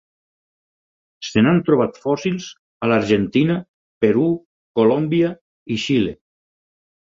Se n'han trobat fòssils a l'Argentina, Perú, Colòmbia i Xile.